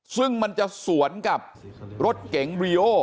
ซึ่งมันจะสวนกับรถเก๋งบรีโอ